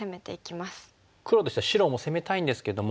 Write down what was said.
黒としては白も攻めたいんですけども